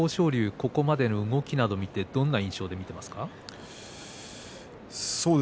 ここまでの動きなどを見てどんな印象で見ていますか？